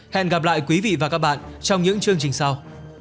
hẹn gặp lại quý vị và các bạn trong những chương trình sau